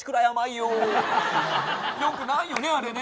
よくないよねあれね。